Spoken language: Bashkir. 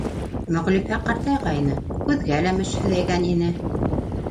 Мөғлифә ҡартайғайны, күҙгә мөсһөҙәйгән ине.